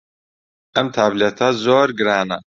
ئەم تابلێتە زۆر گرانە.